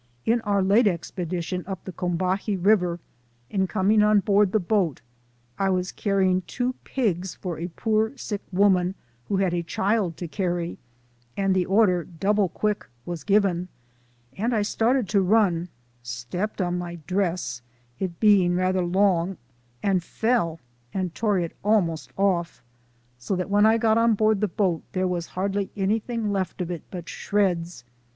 In our late expedition up the Com 86 SOME SCENES IN THE bahee River, in coming on board the boat, I was carrying two pigs for a poor sick woman, who had a child to carry, and the order " double quick " was given, and I started to run, stepped on nay dress, it being rather long, and fell and tore it almost off, so that when I got on board the boat, there was hardly anything left of it but shreds.